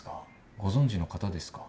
ご存じの方ですか？